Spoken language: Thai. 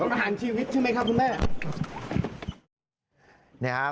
ประหารชีวิตใช่ไหมครับคุณแม่